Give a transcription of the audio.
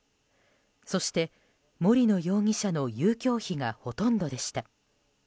そして、森野容疑者の遊興費がほとんどでした。